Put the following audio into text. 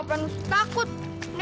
gayanya sama tom